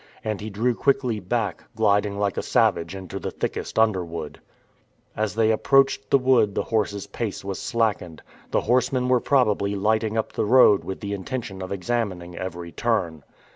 And he drew quickly back, gliding like a savage into the thickest underwood. As they approached the wood the horses' pace was slackened. The horsemen were probably lighting up the road with the intention of examining every turn.